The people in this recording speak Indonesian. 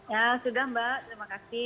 ya sudah mbak terima kasih